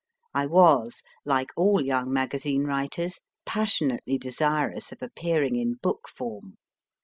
I was, like all young magazine writers, passionately desirous of appearing in book form.